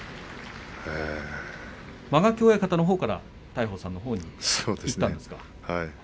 間垣親方のほうから大鵬さんにいったんですか。